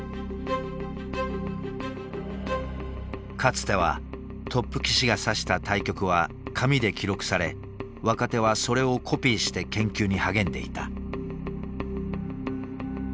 かつてはトップ棋士が指した対局は紙で記録され若手はそれをコピーして研究に励んでいた。